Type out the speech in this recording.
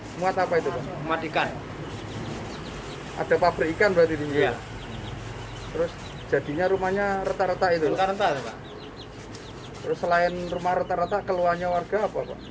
selain rumah rata rata keluarnya warga apa